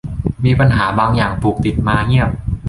มีปัญหาบางอย่างผูกติดมาเงียบ